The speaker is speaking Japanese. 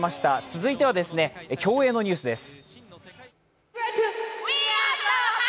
続いては、競泳のニュースです。